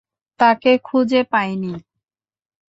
তাকে খুঁজে পাই নি।